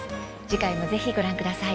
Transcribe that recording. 次回もぜひご覧ください。